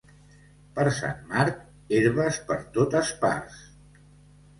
Per Sant Marc, herbes per totes parts.